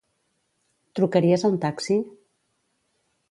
Trucaries a un taxi?